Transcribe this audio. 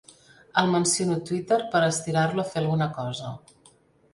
El menciono a Twitter per estirar-lo a fer alguna cosa.